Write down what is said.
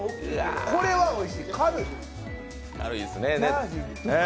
これはおいしい、軽い。